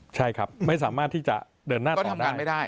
ใช่ครับไม่สามารถที่จะเดินหน้าต่อได้